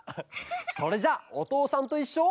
それじゃあ「おとうさんといっしょ」。